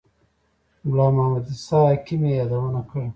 ملا محمد عیسی حکیم یې یادونه کړې.